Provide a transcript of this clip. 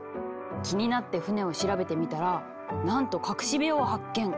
気になって船を調べてみたらなんと隠し部屋を発見！